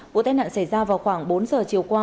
vụ tai nạn xảy ra vào khoảng bốn giờ chiều qua